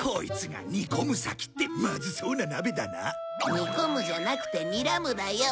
「にこむ」じゃなくて「にらむ」だよ。